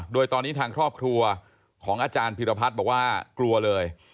โดยตอนนี้ทางครอบครัวของอาจารย์พิรพัฒน์บอกว่ากลัวเลย